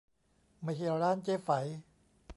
ไม่ใช่ร้านเจ๊ไฝ